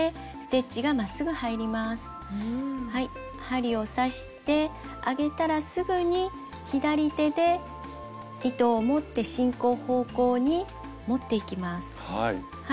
針を刺して上げたらすぐに左手で糸を持って進行方向に持っていきます。